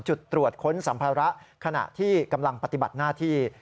จุดตรวจค้นสัมภาระขณะที่กำลังปฏิบัติหน้าที่